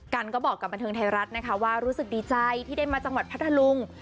กันก็บอกกับบันเทิงไทยรัฐนะคะว่ารู้สึกดีใจที่ได้มาจังหวัดพัทธลุง